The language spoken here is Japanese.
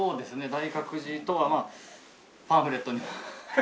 大覚寺とはまあパンフレットにも。